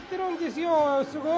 すごい！